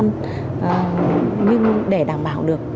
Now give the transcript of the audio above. nhưng để đảm bảo được